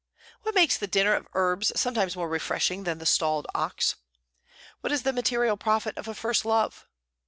What makes the dinner of herbs sometimes more refreshing than the stalled ox? What is the material profit of a first love?